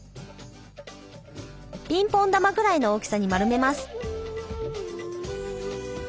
ピンポン玉ぐらいの大きさに丸めます。